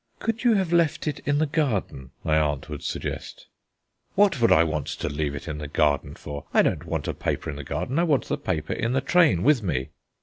"Could you have left it in the garden?" my aunt would suggest. "What should I want to leave it in the garden for? I don't want a paper in the garden; I want the paper in the train with me."